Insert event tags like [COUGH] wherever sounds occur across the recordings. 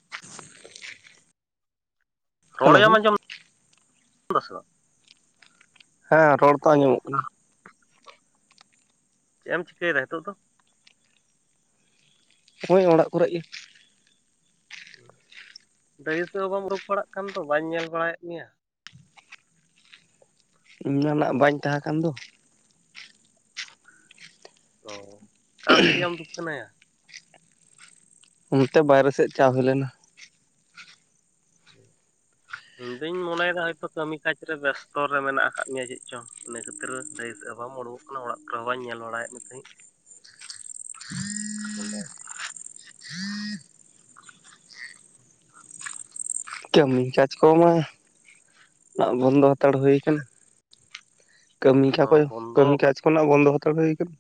[INAUDIBLE] ᱨᱚᱲ ᱦᱮᱞᱳ ᱮᱢ ᱟᱸᱡᱚᱢ ᱫᱟ ᱥᱮ ᱵᱟᱝ? ᱦᱮᱸ ᱨᱚᱲ ᱛᱚ ᱟᱸᱡᱚᱢᱚᱜ ᱠᱟᱱᱟ᱾ ᱪᱮᱜ ᱮᱢ ᱪᱤᱠᱟᱹᱭᱫᱟ ᱦᱤᱸᱛᱚᱜ ᱫᱚ? ᱳᱭ ᱚᱲᱟᱜ ᱠᱚᱨᱮ ᱜᱮ᱾ ᱰᱟᱹᱦᱤ ᱥᱮᱜ ᱦᱚᱸ ᱵᱟᱢ ᱩᱰᱩᱠ ᱵᱟᱲᱟᱜ ᱠᱟᱱ ᱫᱚ ᱵᱟᱸᱧ ᱧᱮᱸᱞ ᱵᱟᱲᱟᱭᱮᱜ ᱢᱮᱭᱟ᱾ ᱤᱧᱫᱚ ᱱᱟᱜ ᱵᱟᱹᱧ ᱛᱟᱦᱮᱸ ᱠᱟᱱ ᱫᱚ᱾ ᱚ ᱚᱠᱟ ᱥᱮᱜ ᱭᱟᱢ ᱫᱩᱠᱟᱱᱟᱭᱟ? ᱚᱱᱛᱮ ᱵᱟᱭᱨᱮ ᱥᱮᱜ ᱪᱟᱣ ᱦᱩᱭ ᱞᱮᱱᱟ᱾ [INAUDIBLE] ᱤᱧ ᱫᱚᱧ ᱢᱚᱱᱮᱭᱫᱟ ᱦᱚᱭᱛᱚ ᱠᱟᱹᱢᱤ ᱠᱟᱡᱽ ᱨᱮ ᱵᱮᱥᱛᱚ ᱨᱮ ᱢᱮᱱᱟᱜ ᱠᱟᱜ ᱢᱮᱭᱟ ᱪᱮᱜ ᱪᱚ᱾ ᱤᱱᱟᱹ ᱠᱷᱟᱹᱛᱤᱨ ᱰᱟᱹᱦᱤ ᱥᱮᱜ ᱦᱚᱸ ᱵᱟᱢ ᱩᱰᱩᱠᱚᱜ ᱠᱟᱱᱟ, ᱚᱲᱟᱜ ᱠᱚᱨᱮᱦᱚᱸ ᱵᱟᱹᱧ ᱧᱮᱞ ᱵᱟᱲᱟᱭᱮᱜ ᱢᱮ ᱛᱟᱦᱮᱸᱜ᱾ [INAUDIBLE] ᱱᱚᱸᱰᱮ ᱠᱟᱹᱢᱤ ᱠᱟᱡᱽ ᱠᱚᱢᱟ ᱱᱟᱜ ᱵᱚᱱᱫᱚ ᱦᱟᱛᱟᱲ ᱦᱩᱭ ᱠᱟᱱᱟ᱾ ᱠᱟᱹᱢᱤ ᱚ ᱠᱟᱠᱚ ᱵᱚᱱᱫᱚ ᱠᱟᱹᱢᱤ ᱟᱠᱟᱱᱟ ᱠᱟᱡᱽ ᱠᱚ ᱱᱟᱜ ᱵᱚᱱᱫᱚ ᱦᱟᱛᱟᱲ ᱦᱩᱭ ᱠᱟᱱᱟ᱾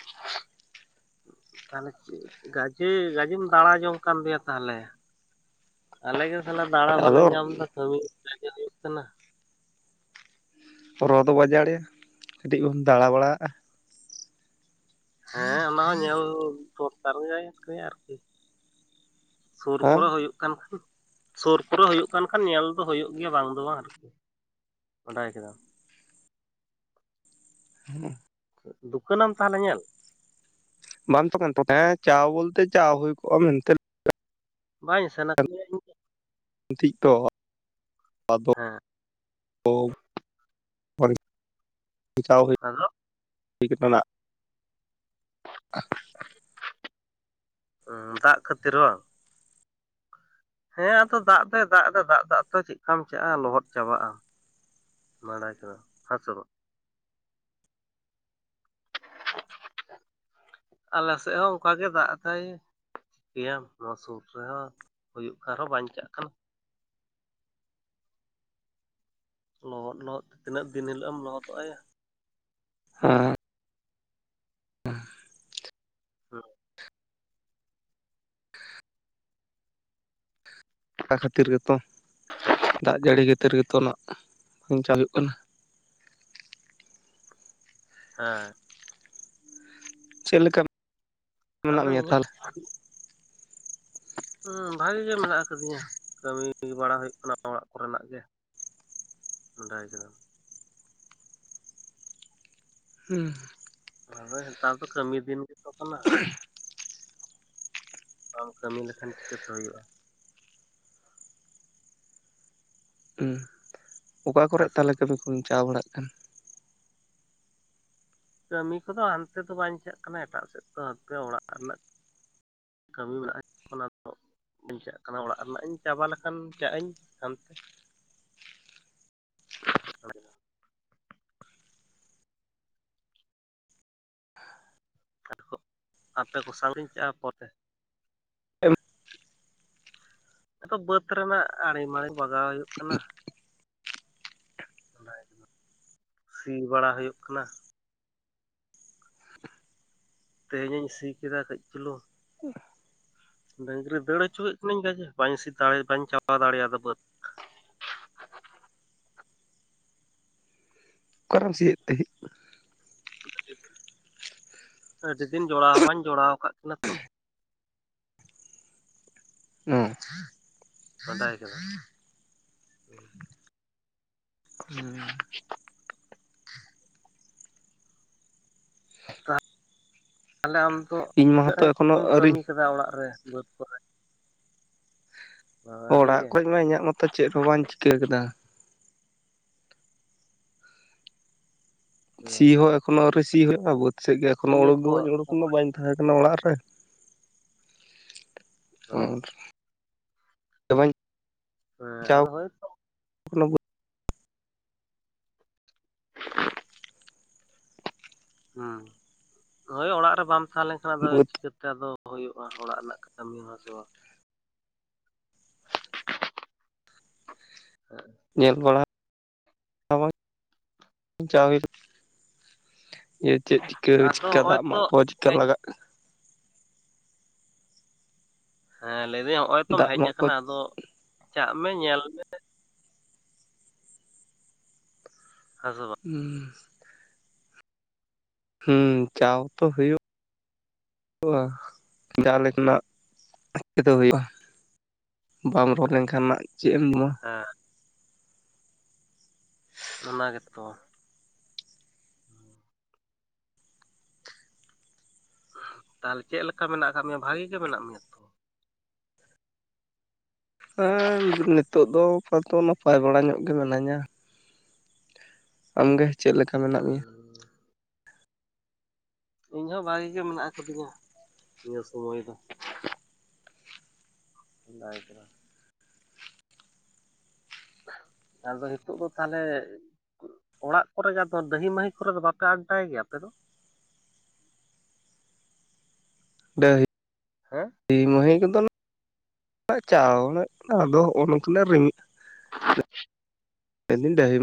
[INAUDIBLE] ᱛᱟᱦᱞᱮ ᱜᱟᱡᱮ ᱜᱟᱡᱮᱢ ᱫᱟᱬᱟ ᱡᱚᱝ ᱠᱟᱱ ᱫᱚᱭᱟ ᱛᱟᱦᱞᱮ? ᱟᱞᱮ ᱜᱮ ᱥᱟᱞᱟ ᱫᱟᱸᱬᱟ ᱵᱟᱞᱮ ᱟᱫᱚ ᱧᱟᱢᱫᱟ ᱠᱟᱹᱢᱤ [INAUDIBLE] ᱦᱩᱭᱩᱜ ᱠᱟᱱᱟ᱾ ᱨᱚᱛ ᱵᱟᱡᱟᱲ ᱭᱟ ᱠᱟᱹᱴᱤᱡ ᱵᱚᱱ ᱫᱟᱬᱟ ᱵᱟᱲᱟᱣᱟᱜᱼᱟ᱾ ᱦᱮᱸ ᱚᱱᱟ ᱦᱚᱸ ᱧᱮᱞ ᱫᱚᱨᱠᱟᱨ ᱜᱮ ᱟᱨᱠᱤ᱾ ᱥᱩᱨ ᱦᱮᱸ ᱠᱚᱨᱮ ᱦᱩᱭᱩᱜ ᱠᱟᱱ ᱠᱷᱟᱱ ᱥᱳᱨ ᱠᱚᱨᱮ ᱦᱳᱭᱳᱜ ᱠᱟᱱ ᱠᱷᱟᱱ ᱧᱮᱞ ᱫᱚ ᱦᱳᱭᱳᱜ ᱜᱮᱭᱟ᱾ ᱵᱟᱝ ᱫᱚ ᱵᱟᱝ ᱟᱨᱠᱤ ᱵᱟᱰᱟᱭ ᱠᱮᱫᱟᱢ᱾ ᱦᱩᱸ᱾ ᱫᱩᱠᱟᱹᱱᱟᱢ ᱛᱟᱞᱦᱮ ᱧᱮᱞ? ᱵᱟᱢ ᱛᱚᱠᱮᱱ ᱴᱚᱴᱟᱭ-ᱟ ᱪᱟ ᱵᱚᱞᱛᱮ ᱪᱟ ᱦᱩᱭ ᱠᱚᱜ-ᱟ ᱢᱮᱱᱛᱮ᱾ ᱵᱟᱝᱟᱹᱧ ᱥᱮᱱᱟ ᱠᱟᱱᱟᱹᱧ ᱜᱤᱛᱤᱡ ᱦᱮᱸ ᱟᱫᱚ [UNINTELLIGIBLE] [UNINTELLIGIBLE] ᱦᱩᱸ ᱫᱟᱜ ᱠᱷᱟᱹᱛᱤᱨ ᱵᱟᱝ? ᱦᱮᱸ ᱟᱫᱚ ᱫᱟᱜ ᱫᱚᱭ ᱫᱟᱜ ᱫᱟ ᱫᱟᱜ, ᱫᱟᱜ ᱛᱮ ᱪᱮᱫ ᱠᱟᱢ ᱪᱟᱞᱟ ᱞᱚᱦᱚᱫ ᱪᱟᱵᱟᱜ-ᱟᱢ ᱾ ᱵᱟᱰᱟᱭ ᱠᱮᱫᱟᱢ ᱦᱮᱸ ᱥᱮ ᱵᱟᱝ? ᱟᱞᱮ ᱥᱮᱫ ᱦᱚᱸ ᱚᱱᱠᱟ ᱜᱮ ᱫᱟᱜ ᱫᱟᱭ᱾ ᱪᱤᱠᱟᱹᱭ ᱟᱢ ᱱᱚᱣᱟ ᱥᱩᱨ ᱨᱮᱦᱚᱸ ᱦᱩᱭᱩᱜ ᱠᱟᱱ ᱨᱮᱦᱚᱸ ᱵᱟᱧᱪᱟᱜ ᱠᱟᱱᱟ᱾ ᱞᱚᱦᱚᱫ ᱞᱚᱦᱚᱫ ᱛᱮ ᱛᱤᱱᱟᱹᱜ ᱫᱤᱱ ᱦᱤᱞᱳᱜ ᱮᱢ ᱞᱚᱦᱚᱫᱚᱜ-ᱟ ᱭᱟ᱾ ᱦᱮᱸ᱾ ᱦᱩᱸ᱾ ᱚᱱᱟ ᱠᱷᱟᱹᱛᱤᱨ ᱜᱮᱛᱚ ᱫᱟᱜ ᱡᱟᱹᱲᱤ ᱠᱷᱟᱛᱤᱨ ᱜᱮᱛᱚ ᱱᱟᱜ ᱵᱟᱧ ᱪᱟᱞᱟᱜ ᱦᱩᱭᱩᱜ ᱠᱟᱱᱟ᱾ ᱦᱮᱸ᱾ ᱪᱮᱫ ᱞᱮᱠᱟ ᱢᱮᱱᱟᱜ ᱟᱫᱚ ᱢᱮᱭᱟ ᱤᱧ ᱛᱟᱦᱚᱞᱮ ᱦᱩᱸ ᱵᱷᱟᱜᱤ ᱜᱮ ᱢᱮᱱᱟᱜ ᱠᱟᱫᱤᱧᱟ ᱠᱟᱹᱢᱤ ᱠᱟᱹᱢᱤ ᱵᱟᱲᱟ ᱦᱳᱭᱳᱜ ᱠᱟᱱᱟ ᱚᱲᱟᱜ ᱠᱚ ᱨᱮᱱᱟᱜ ᱜᱮ ᱵᱟᱰᱟᱭ ᱠᱮᱫᱟᱢ᱾ ᱦᱩᱸ᱾ ᱟᱫᱚ ᱦᱮᱛᱟᱨ ᱫᱚ ᱠᱟᱹᱢᱤ ᱫᱤᱱ ᱜᱮᱛᱚ ᱠᱟᱱᱟ ᱟᱨ ᱵᱟᱢ ᱠᱟᱹᱢᱤ ᱞᱮᱠᱷᱟᱱ ᱪᱤᱠᱟᱹᱛᱮ ᱦᱩᱭᱩᱜ-ᱟ᱾ ᱚ ᱚᱠᱟ ᱠᱚᱨᱮᱜ ᱦᱮᱸᱥᱮ ᱛᱟᱞᱦᱮ ᱵᱟᱝ? ᱠᱟᱹᱢᱤ ᱠᱚ ᱵᱤᱱ ᱪᱟ ᱵᱟᱲᱟᱜ ᱠᱟᱱ? ᱠᱟᱹᱢᱤ ᱠᱚᱫᱚ ᱦᱟᱱᱛᱮ ᱫᱚ ᱵᱟᱹᱧᱪᱟᱜ ᱠᱟᱱᱟ ᱮᱴᱟᱜ ᱥᱮᱫ ᱫᱚ ᱦᱟᱯᱮ ᱚᱲᱟᱜ ᱨᱮᱱᱟᱜ ᱠᱟᱹᱢᱤ ᱵᱟᱲᱟᱭ ᱦᱩᱭᱩᱜ ᱠᱟᱱᱟ ᱛᱚ᱾ ᱵᱟᱹᱧ ᱪᱟᱜ ᱠᱟᱱᱟ ᱚᱲᱟᱜ ᱨᱮᱱᱟᱜ ᱤᱧ ᱪᱟᱵᱟ ᱞᱮᱠᱷᱟᱱ ᱪᱟᱜ ᱟᱹᱧ ᱦᱟᱱ ᱛᱮ᱾ [UNINTELLIGIBLE] ᱟᱫᱚ ᱟᱯᱮ ᱠᱚ ᱥᱟᱭ ᱤᱧ ᱪᱟᱜ-ᱟ ᱯᱚᱨᱮ᱾ [UNINTELLIGIBLE] ᱟᱫᱚ ᱵᱟᱹᱫ ᱨᱮᱱᱟᱜ ᱟᱲᱮ ᱢᱟᱲᱮ ᱵᱟᱜᱟᱣ ᱦᱳᱭᱳᱜ ᱠᱟᱱᱟ᱾ ᱚᱱᱟ ᱜᱮ ᱛᱮᱢᱚᱱ ᱥᱤ ᱵᱟᱲᱟ ᱦᱳᱭᱳᱜ ᱠᱟᱱᱟ᱾ ᱛᱮᱦᱮᱧ ᱤᱧ ᱥᱤ ᱠᱮᱫᱟ ᱠᱟᱹᱡ ᱪᱩᱞᱩᱝ᱾ [UNINTELLIGIBLE] ᱰᱟᱹᱝᱨᱤ ᱫᱟᱹᱲ ᱦᱚᱪᱚ ᱠᱮᱫ ᱠᱟᱹᱱᱟᱹᱧ ᱜᱟᱡᱮ ᱵᱟᱹᱧ ᱥᱤ ᱫᱟᱲᱮ ᱵᱟᱹᱧ ᱪᱟᱵᱟ ᱫᱟᱲᱮ ᱟᱫᱟ ᱵᱟᱹᱫᱽ᱾ ᱚᱠᱟ ᱨᱮᱢ ᱥᱤᱭᱮᱜ ᱛᱮᱦᱮ? ᱟᱹᱰᱤ ᱫᱤᱱ ᱡᱚᱲᱟᱣ ᱦᱚᱸ ᱵᱟᱹᱧ ᱡᱚᱲᱟᱣ ᱟᱠᱟᱫ ᱠᱤᱱᱟ ᱛᱚ᱾ ᱱᱚ ᱵᱟᱰᱟᱭ ᱠᱮᱫᱟᱢ ᱦᱩᱸ᱾ [INAUDIBLE] ᱛᱟᱞᱦᱮ ᱟᱞᱮ ᱚᱲᱟᱜ ᱤᱧ ᱨᱮ ᱢᱟᱛᱚ ᱪᱮᱫ ᱮᱠᱷᱚᱱᱳ ᱠᱚᱢ ᱟᱹᱣᱨᱤ ᱠᱟᱹᱢᱤ ᱠᱮᱫᱟ ᱚᱲᱟᱜ ᱨᱮ ᱵᱟᱹᱫ ᱠᱚᱨᱮ᱾ ᱟᱹᱣᱨᱤ ᱚᱲᱟᱜ ᱜᱮ ᱠᱷᱚᱡ ᱢᱟ ᱤᱧᱟᱹᱜ ᱢᱚᱛᱚ ᱪᱮᱫ ᱦᱚᱸ ᱵᱟᱹᱧ ᱪᱤᱠᱟᱹ ᱠᱮᱫᱟ᱾ ᱥᱤ ᱦᱚᱸ ᱮᱠᱷᱚᱱᱳ ᱟᱹᱣᱨᱤ ᱥᱤ ᱦᱳᱭᱳᱜ-ᱟ ᱵᱟᱹᱫ ᱥᱮᱫ ᱜᱮ ᱮᱠᱷᱚᱱᱳ ᱤᱭᱟᱹ ᱳᱰᱳᱠ ᱜᱮ ᱠᱚ ᱵᱟᱹᱧ ᱳᱰᱳᱠ ᱞᱮᱱᱟ ᱵᱟᱹᱧ ᱛᱟᱦᱮᱸᱠᱟᱱᱟ ᱚᱲᱟᱜ ᱨᱮ ᱟᱨ ᱦᱮᱸ ᱟᱫᱚ [UNINTELLIGIBLE] ᱦᱳᱭᱛᱚ ᱠᱟᱱᱟ ᱦᱩᱸ ᱦᱳᱭ ᱚᱲᱟᱜ ᱨᱮ ᱵᱟᱢ ᱛᱟᱦᱮᱸ ᱞᱮᱱᱠᱷᱟᱱ ᱫᱚ ᱟᱫᱚ ᱵᱟᱹᱫᱽ ᱪᱤᱠᱟᱹᱛᱮ ᱟᱫᱚ ᱦᱳᱭᱳᱜ-ᱟ ᱚᱲᱟᱜ ᱨᱮᱱᱟᱜ ᱠᱟᱹᱢᱤ ᱦᱚᱸ ᱥᱮ ᱵᱟᱝ᱾ ᱦᱮᱸ ᱧᱮᱞ ᱵᱟᱲᱟ [UNINTELLIGIBLE] ᱡᱮ ᱪᱮᱫ ᱪᱤᱠᱟᱹ ᱟᱫᱚ ᱪᱤᱠᱠᱟᱜ ᱦᱚᱜᱼᱚᱭ ᱫᱟᱜ ᱛᱚ ᱢᱟᱜ ᱠᱚ ᱪᱤᱠᱟᱜ ᱦᱮᱡ ᱞᱟᱜᱟ ᱠᱟᱱᱟ᱾ ᱦᱮᱸ ᱞᱟᱹᱭᱫᱟᱹᱧ ᱦᱚᱜᱚᱭ ᱛᱚᱢ ᱫᱟᱜ ᱦᱮᱡ ᱢᱟᱜ ᱠᱚ ᱠᱟᱱᱟ ᱟᱫᱚ ᱪᱟᱜ ᱢᱮ ᱧᱮᱞ ᱢᱮ᱾ ᱦᱮᱸ ᱥᱮ ᱵᱟᱝ᱾ ᱦᱩᱸ ᱦᱩᱸ ᱪᱟᱶ ᱛᱚ ᱦᱳᱭᱳᱜ ᱤᱱᱜᱟ ᱡᱟᱦᱟᱸ ᱞᱮᱠᱟᱱᱟᱜ [UNINTELLIGIBLE] ᱦᱳᱭᱳᱜ-ᱟ᱾ ᱵᱟᱢ ᱨᱚᱲ ᱞᱮᱱᱠᱷᱟᱱ ᱱᱟᱜ ᱪᱮᱫ ᱮᱢ ᱡᱚᱢᱟ? ᱦᱮᱸ ᱚᱱᱟ ᱜᱮᱛᱚ ᱛᱟᱦᱟᱞᱮ ᱪᱮᱫ ᱞᱮᱠᱟ ᱢᱮᱱᱟᱜ ᱟᱠᱟᱫ ᱢᱮᱭᱟ, ᱵᱷᱟᱜᱮ ᱜᱮ ᱢᱮᱱᱟᱜ ᱢᱮᱭᱟ ᱛᱚ? ᱦᱮᱸ ᱱᱤᱛᱳᱜ ᱫᱚ ᱟᱯᱟᱛᱚ ᱱᱟᱯᱟᱭ ᱵᱟᱲᱟ ᱧᱚᱜ ᱜᱮ ᱢᱤᱱᱟᱹᱧᱟ᱾ ᱟᱢᱜᱮ ᱪᱮᱫ ᱞᱮᱠᱟ ᱢᱮᱱᱟᱜ ᱢᱮᱭᱟ? ᱦᱩᱸ ᱤᱧ ᱦᱚᱸ ᱵᱷᱟᱜᱤ ᱜᱮ ᱢᱮᱱᱟᱜ ᱠᱟᱫᱤᱧᱟ ᱱᱤᱭᱟᱹ ᱥᱳᱢᱳᱭ ᱫᱚ᱾ [UNINTELLIGIBLE] ᱟᱫᱚ ᱦᱤᱛᱳᱜ ᱫᱚ ᱛᱟᱦᱟᱞᱮ ᱚᱲᱟᱜ ᱠᱚᱨᱮ ᱜᱮ ᱟᱫᱚ ᱰᱟᱹᱦᱤ ᱢᱟᱹᱦᱤ ᱠᱚᱨᱮ ᱫᱚ ᱵᱟᱯᱮ ᱟᱰᱰᱟᱭ ᱜᱮᱭᱟ ᱟᱯᱮ ᱫᱚ? ᱰᱟᱹᱦᱤ ᱦᱮᱸ [UNINTELLIGIBLE] ᱠᱚᱫᱚ [UNINTELLIGIBLE] ᱪᱟᱣᱞᱮ ᱟᱫᱚ ᱦᱚᱜᱚ ᱱᱚᱝᱠᱟ ᱞᱮ ᱨᱤᱜ [INAUDIBLE] [UNINTELLIGIBLE] ᱰᱟᱹᱦᱤ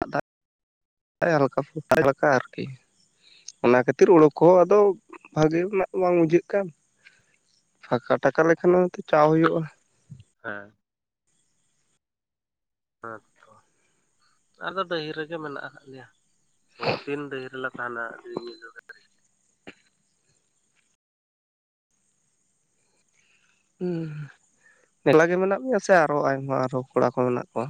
[UNINTELLIGIBLE] ᱦᱟᱞᱠᱟ [UNINTELLIGIBLE] ᱟᱨᱠᱤ᱾ ᱚᱱᱟ ᱠᱷᱟᱹᱛᱤᱨ ᱦᱳᱲᱳ ᱠᱚ ᱟᱫᱚ ᱵᱷᱟᱜᱮ ᱨᱮᱱᱟᱜ ᱵᱟᱝ ᱵᱩᱡᱷᱟᱹᱜ ᱠᱟᱱ᱾ ᱯᱷᱟᱹᱠᱟ ᱴᱟᱠᱟ ᱞᱮᱠᱷᱟᱱ ᱦᱚᱸ ᱛᱚ ᱪᱟᱣ ᱦᱳᱭᱳᱜ-ᱟ᱾ ᱦᱮᱸ ᱦᱮᱸᱛᱚ ᱟᱞᱮᱫᱚ ᱰᱟᱹᱦᱤ ᱨᱮᱜᱮ ᱢᱮᱱᱟᱜ ᱟᱠᱟᱫ ᱞᱮᱭᱟ, ᱥᱚᱵᱫᱤᱱ ᱰᱟᱹᱦᱤ ᱨᱮᱞᱮ ᱛᱟᱦᱮᱱᱟ [UNINTELLIGIBLE] ᱦᱩᱸ ᱮᱠᱞᱟ ᱜᱮ ᱢᱮᱱᱟᱜ ᱢᱮᱭᱟ, ᱥᱮ ᱟᱨᱚ ᱟᱭᱢᱟ ᱟᱨᱚ ᱠᱚᱲᱟ ᱠᱚ ᱢᱮᱱᱟᱜ ᱠᱚᱣᱟ?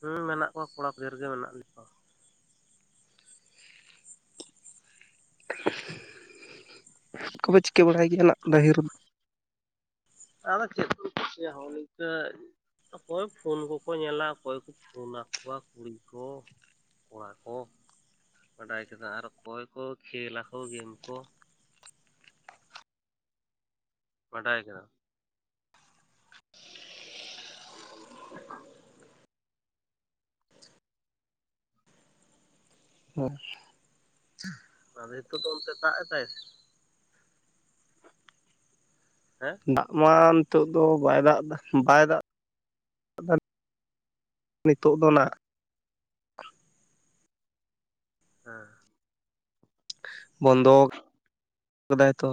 ᱦᱩᱸ ᱢᱮᱱᱟᱜ ᱠᱚᱣᱟ ᱠᱚᱲᱟ ᱵᱷᱮᱨ ᱜᱮ ᱢᱮᱱᱟᱜ ᱞᱮᱭᱟ [UNINTELLIGIBLE] ᱪᱮᱫ ᱠᱚᱯᱮ ᱪᱤᱠᱟᱹ ᱵᱟᱲᱟᱭ ᱜᱮᱭᱟ ᱱᱟᱜ ᱰᱟᱹᱦᱤ ᱨᱮᱫᱚ? ᱟᱫᱚ ᱪᱮᱫ ᱠᱚᱢ ᱪᱤᱠᱟᱹᱭᱟ ᱦᱚᱸᱜᱚ ᱱᱤᱝᱠᱟᱹ ᱚᱠᱚᱭ ᱯᱷᱳᱱ ᱠᱚᱠᱚ ᱧᱮᱞᱟ ᱚᱠᱚᱭ ᱠᱚ ᱯᱷᱳᱱ ᱟᱠᱚᱣᱟ ᱠᱩᱲᱤ ᱠᱚ᱾ ᱠᱚᱲᱟ ᱠᱚ ᱵᱟᱰᱟᱭ ᱠᱮᱫᱟ ᱟᱨ ᱚᱠᱚᱭ ᱠᱚ ᱠᱷᱮᱞ ᱟᱠᱚ ᱜᱮᱢ ᱠᱚ᱾ ᱵᱟᱰᱟᱭ ᱠᱮᱫᱟᱢ? ᱦᱮᱸ ᱟᱫᱚ ᱦᱤᱛᱳᱜ ᱫᱚ ᱚᱱᱛᱮ ᱫᱟᱜ ᱮᱫᱟᱭ? ᱦᱮᱸ ᱫᱟᱜ ᱢᱟ ᱱᱤᱛᱳᱜ ᱫᱚ ᱵᱟᱭ ᱫᱟᱜ ᱫᱟ ᱵᱟᱭ ᱫᱟᱜ ᱫᱟ᱾ ᱱᱤᱛᱳᱜ ᱫᱚ ᱱᱟᱜ᱾ ᱦᱮᱸ ᱵᱚᱱᱫᱚ ᱟᱠᱟᱫᱟᱭ ᱛᱚ᱾